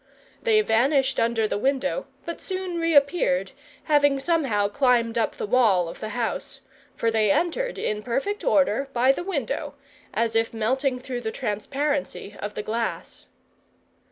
They vanished under the window, but soon reappeared, having somehow climbed up the wall of the house; for they entered in perfect order by the window, as if melting through the transparency of the glass.